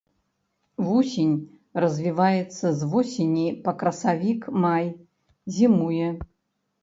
Вусень развіваецца з восені па красавік-май, зімуе.